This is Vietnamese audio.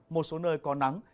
một số nơi có nắng